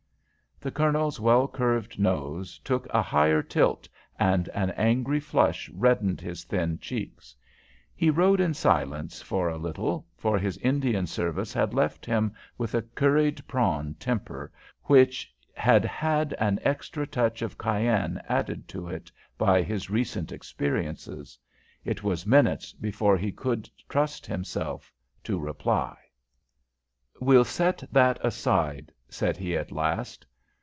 The Colonel's well curved nose took a higher tilt, and an angry flush reddened his thin cheeks. He rode in silence for a little, for his Indian service had left him with a curried prawn temper, which had had an extra touch of cayenne added to it by his recent experiences. It was some minutes before he could trust himself to reply. "We'll set that aside," said he, at last.